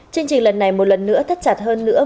chương trình lần này một lần nữa thắt chặt hơn nữa